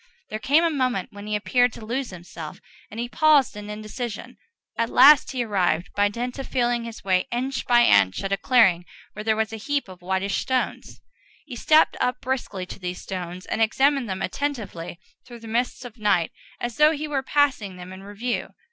There came a moment when he appeared to lose himself, and he paused in indecision. At last he arrived, by dint of feeling his way inch by inch, at a clearing where there was a great heap of whitish stones. He stepped up briskly to these stones, and examined them attentively through the mists of night, as though he were passing them in review.